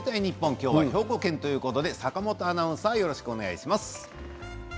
今日は兵庫県ということで坂本アナウンサーよろしくお願いします。